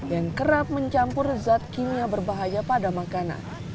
yang kerap mencampur zat kimia berbahaya pada makanan